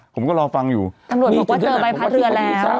ผมก็รอฟังอยู่ตำรวจบอกว่าเจอใบพัดเรือแล้ว